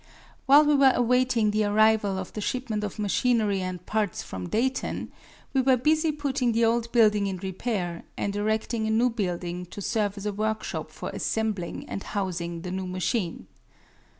While we were awaiting the arrival of the shipment of machinery and parts from Dayton, we were busy putting the old building in repair, and erecting a new building to serve as a workshop for assembling and housing the new machine.